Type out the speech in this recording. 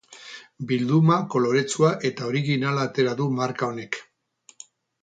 Bilduma koloretsua eta originala atera du marka honek.